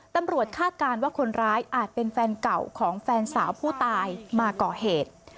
คาดการณ์ว่าคนร้ายอาจเป็นแฟนเก่าของแฟนสาวผู้ตายมาก่อเหตุ